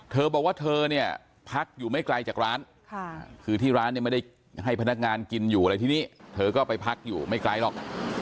เธอบอกว่าเธอเนี่ยพักอยู่ไม่ไกลจากร้านคือที่ร้านเนี่ยไม่ได้ให้พนักงานกินอยู่อะไรที่นี่เธอก็ไปพักอยู่ไม่ไกลหรอก